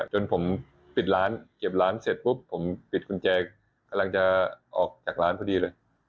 จนผมปิดร้านเก็บร้านเสร็จปุ๊บผมปิดกุญแจกำลังจะออกจากร้านพอดีเลย